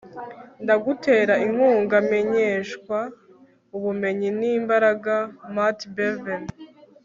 ndagutera inkunga menyeshwa - ubumenyi ni imbaraga. - mat bevin